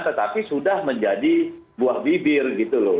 tetapi sudah menjadi buah bibir gitu loh